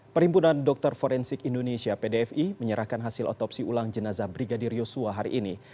perhimpunan dokter forensik indonesia pdfi menyerahkan hasil otopsi ulang jenazah brigadir yosua hari ini